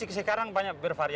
hscreen yang kerekan